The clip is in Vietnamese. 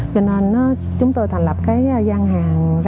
cho nên chúng tôi thành lập gian hàng